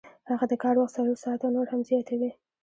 هغه د کار وخت څلور ساعته نور هم زیاتوي